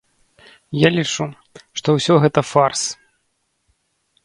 Я лічу, што ўсё гэта фарс.